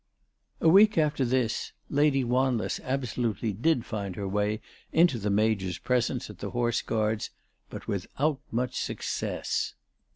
A week after this Lady Wanless absolutely did find her way into the Major's presence at the Horse Guards, but without much success.